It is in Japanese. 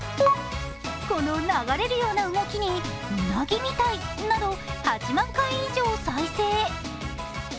この流れるような動きに、うなぎみたいなど８万回以上再生。